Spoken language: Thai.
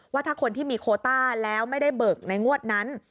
ว่าถ้าคนที่มีโคต้าแล้วไม่ได้เบิกในงวดนั้น